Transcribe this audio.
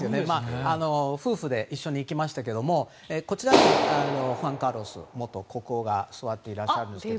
夫婦で一緒に行きましたけどこちらにフアン・カルロス元国王が座っていらっしゃるんですが。